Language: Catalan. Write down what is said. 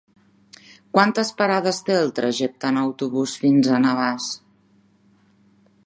Quantes parades té el trajecte en autobús fins a Navàs?